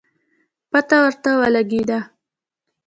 پته ورته ولګېده